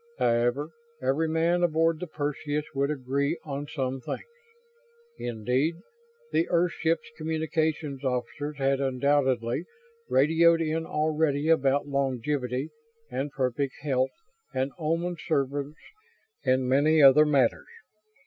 However, every man aboard the Perseus would agree on some things. Indeed, the Earthship's communications officers had undoubtedly radioed in already about longevity and perfect health and Oman service and many other matters.